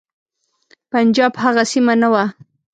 پنجاب هغه سیمه نه وه.